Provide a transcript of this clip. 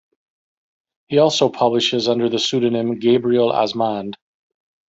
He also publishes under the pseudonym Gabriel Osmonde.